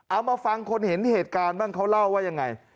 เอามาฟังคนเห็นเหตุการณ์บ้างเขาเล่าว่ายังไง